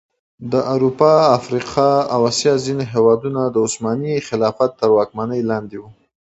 د اروپا آسیا او افریقا ځيني هیوادونه د عثماني خلافت د واکمنی لاندې وو